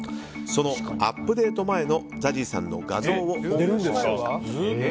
そのアップデート前のＺＡＺＹさんの画像を入手しました。